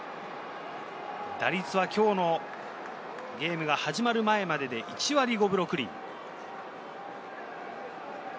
打率は今日のゲームが始まる前までで１割５分６厘。